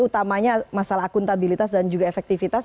utamanya masalah akuntabilitas dan juga efektivitas